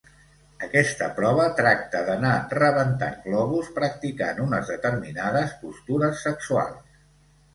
Aquesta prova tracta d'anar rebentant globus practicant unes determinades postures sexuals.